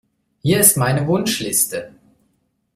Hier ist meine Wunschliste.